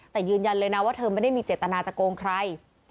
แต่ยืนยันเลยนะว่าเธอไม่ได้มีเจตนาจะโกงใคร